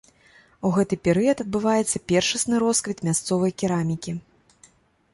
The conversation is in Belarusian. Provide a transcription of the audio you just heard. У гэты перыяд адбываецца першасны росквіт мясцовай керамікі.